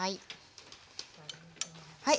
はい。